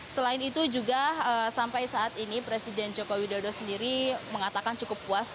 selain itu juga sampai saat ini presiden joko widodo sendiri mengatakan cukup puas